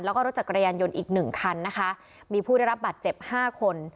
แล้วก็รถจักรยานยนต์อีกหนึ่งคันนะคะมีผู้ได้รับบัตรเจ็บห้าคน